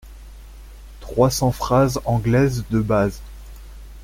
Trois cents phrases anglaises de base.